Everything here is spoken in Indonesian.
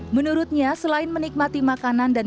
menurutnya selain menikmati karyawan yang banyak di antaranya